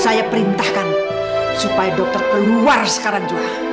saya perintahkan supaya dokter keluar sekarang juga